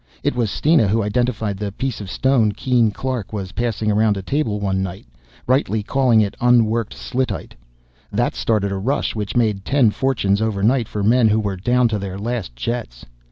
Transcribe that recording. It was Steena who identified the piece of stone Keene Clark was passing around a table one night, rightly calling it unworked Slitite. That started a rush which made ten fortunes overnight for men who were down to their last jets.